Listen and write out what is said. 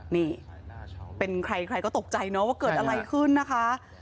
นี่เป็นใครใครก็ตกใจเนาะว่าเกิดอะไรขึ้นนะคะ